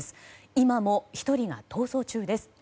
今も１人が逃走中です。